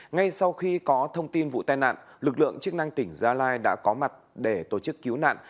ngay sau khi có thông tin vụ tai nạn lực lượng chức năng tỉnh gia lai đã có mặt để tổ chức cứu nạn